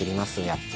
やっぱ。